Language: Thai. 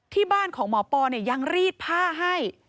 ที่บ้านของหมอปอยังรีดผ้าให้